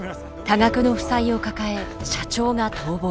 多額の負債を抱え社長が逃亡。